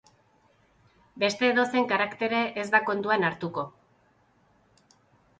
Beste edozein karaktere ez da kontuan hartuko.